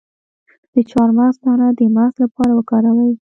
د چارمغز دانه د مغز لپاره وکاروئ